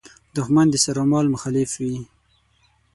دوښمن د سر او مال مخالف وي.